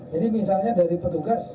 jadi misalnya dari petugas